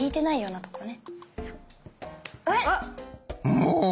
もう！